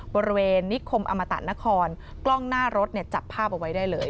บริเวณนิคมอมตะนครกล้องหน้ารถเนี่ยจับภาพเอาไว้ได้เลย